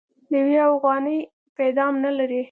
د يوې اوغانۍ پيدام نه لري.